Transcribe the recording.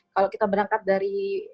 kalau kita berangkat dari